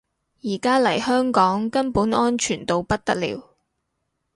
而家嚟香港根本安全到不得了